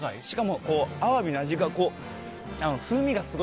しかも、アワビの味が。